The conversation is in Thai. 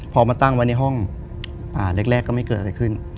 พอมาตั้งไว้ในห้องแรกก็ไม่เกิดอะไรขึ้น